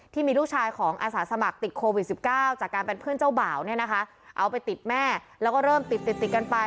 ที่มีลูกชายของอาสาสมัครติดโควิด๑๙จากการเป็นเพื่อนเจ้าบ่าวเนี่ยนะคะเอาไปติดแม่แล้วก็เริ่มติดติดติดกันไป